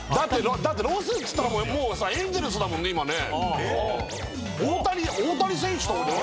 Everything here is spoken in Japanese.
だってロスっつったらもうエンゼルスだもんね今ね。